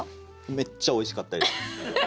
めっちゃおいしかったです。